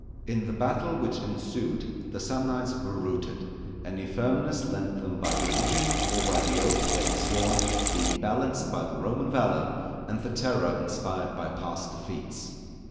In the battle which ensued, the Samnites were routed, any firmness lent them by religion or by the oath they had sworn, being balanced by the Roman valour, and the terror inspired by past defeats.